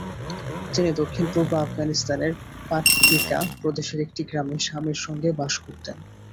তিনি দক্ষিণ-পূর্ব আফগানিস্তানের পাকতিকা প্রদেশের একটি গ্রামে স্বামীর সঙ্গে বাস করতেন।